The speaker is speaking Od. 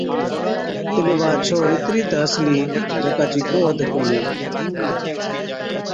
تِڏ وا ڇوهر اِترِي تہ هسلِي جڪا چِي ڪو حد ڪونهِي۔